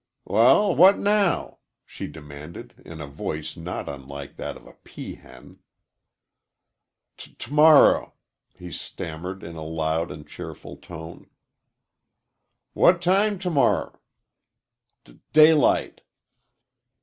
"Wal, what now?" she demanded, in a voice not unlike that of a pea hen. "T' t' morrer," he stammered, in a loud and cheerful tone. "What time to morrer?" "D daylight."